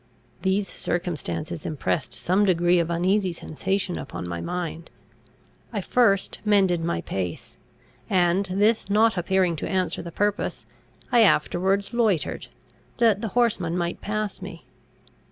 These circumstances impressed some degree of uneasy sensation upon my mind. I first mended my pace; and, this not appearing to answer the purpose, I afterwards loitered, that the horseman might pass me.